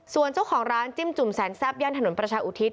ส่วนเจ้าของร้านจิ้มจุ่มแสนแซ่บย่านถนนประชาอุทิศ